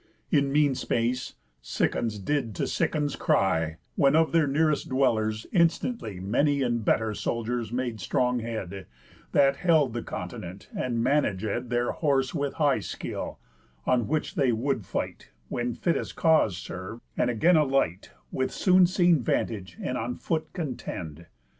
In mean space, Cicons did to Cicons cry, When, of their nearest dwellers, instantly Many and better soldiers made strong head, That held the continent, and managéd Their horse with high skill, on which they would fight, When fittest cause serv'd, and again alight, With soon seen vantage, and on foot contend.